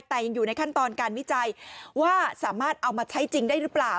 แต่ยังอยู่ในขั้นตอนการวิจัยว่าสามารถเอามาใช้จริงได้หรือเปล่า